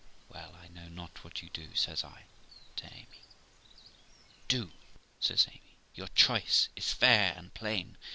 'Well, I know not what to do', says I to Amy. 'Do!' says Amy. 'Your choice is fair and plain.